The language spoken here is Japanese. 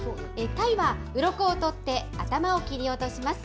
タイはうろこを取って頭を切り落とします。